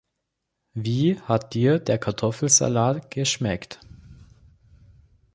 Wie hat dir der Kartoffelsalat geschmeckt?